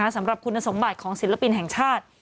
สำหรับคุณสมบัติของศิลปินแห่งชาติ